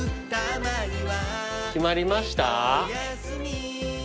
決まりました？